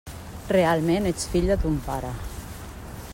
Realment ets fill de ton pare.